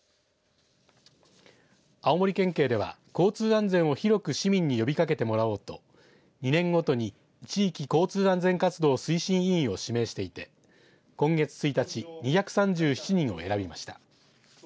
青森県警では交通安全を広く市民に呼びかけてもらおうと２年ごとに地域交通安全活動推進委員を指名していて今月１日２３７人を選びました。